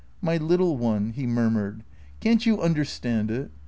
"My little one," he murmured, "can't you understand it?